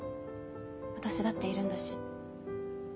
私だっているんだし。